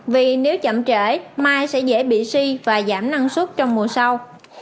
vì nếu chậm trễ mai sẽ dễ bị suy và giảm năng suất trong mùa sau